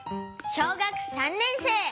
小学３年生。